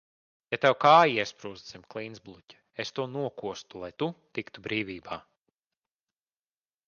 Ja tev kāja iesprūstu zem klintsbluķa, es to nokostu, lai tu tiktu brīvībā.